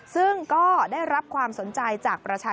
ซึ่งก็ได้รับความสนใจจากประชาชน